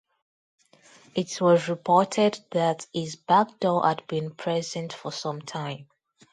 It was reported that this backdoor had been present for some time.